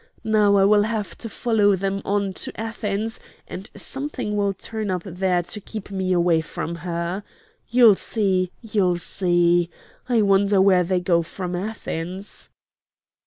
Now I will have to follow them on to Athens, and something will turn up there to keep me away from her. You'll see; you'll see. I wonder where they go from Athens?"